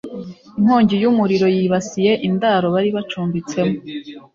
inkongi y'umuriro yibasiye indaro bari bacumbitsemo